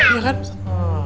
ya kan pusat